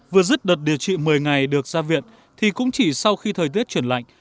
vừa dứt đợt điều trị một mươi ngày được ra viện thì cũng chỉ sau khi thời tiết chuyển lạnh